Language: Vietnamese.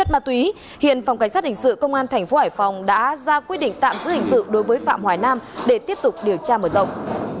mà túy hiện phòng cảnh sát hình sự công an tp hải phòng đã ra quy định tạm giữ hình sự đối với phạm hoài nam để tiếp tục điều tra mở rộng